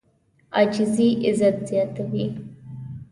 عاجزي عزت زیاتوي.